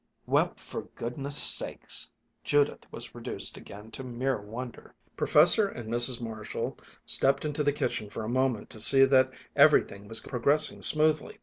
"Well, for goodness' sakes!" Judith was reduced again to mere wonder. Professor and Mrs. Marshall stepped into the kitchen for a moment to see that everything was progressing smoothly.